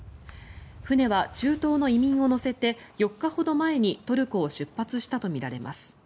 船は中東の移民を乗せて４日ほど前にトルコを出発したとみられます。